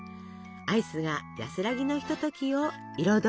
アイスが安らぎのひとときを彩ります。